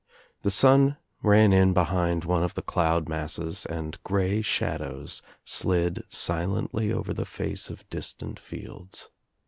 The sun ran in behind one of the cloud masses and grey shadows slid silently over the face of distant fields.